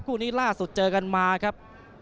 คู่นี้ล่าสุดเจอกันมาครับ